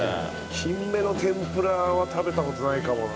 キンメの天ぷらは食べた事ないかもな。